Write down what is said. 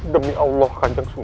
demi allah kanjaksunan